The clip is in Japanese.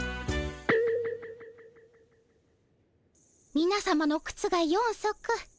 みなさまのくつが４足。